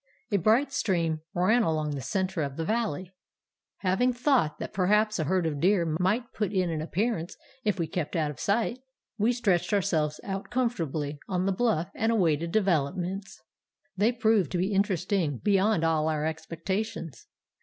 A bright stream ran along the centre of the valley. Having a thought that perhaps a herd of deer might put in an appearance if we kept out of sight, wo stretched ourselves out comfortably on the bluff and awaited developments. They proved to be interesting beyond all our expectations.